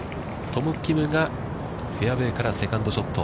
トム・キムがフェアウェイからセカンドショット。